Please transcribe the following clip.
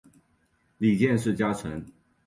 里见氏家臣。